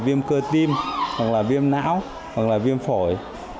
viêm cơ tim hoặc là viêm não hoặc là viêm phổi